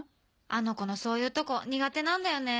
あの子のそういうとこ苦手なんだよね。